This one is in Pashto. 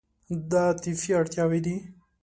دا عاطفي اړتیاوې دي.